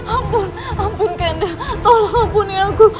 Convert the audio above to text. ampun ampun ke anda tolong ampuni aku